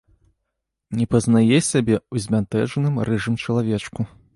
Не пазнае сябе ў збянтэжаным рыжым чалавечку.